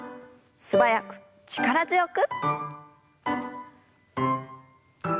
素早く力強く。